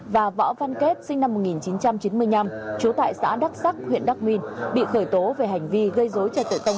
và võ văn kết sinh năm một nghìn chín trăm chín mươi năm trú tại xã đắc sắc huyện đắc minh bị khởi tố về hành vi gây dối trật tự công